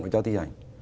và cho thi hành